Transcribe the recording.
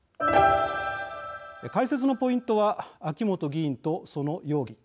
解説のポイントは秋本議員と、その容疑。